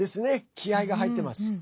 気合いが入ってます。